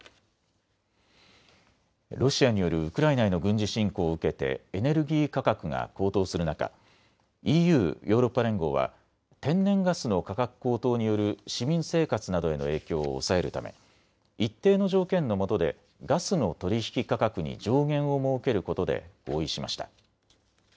ロシアによるウクライナへの軍事侵攻を受けてエネルギー価格が高騰する中、ＥＵ・ヨーロッパ連合は天然ガスの価格高騰による市民生活などへの影響を抑えるため一定の条件のもとでガスの取り引き価格に上限を設けることで合意しました。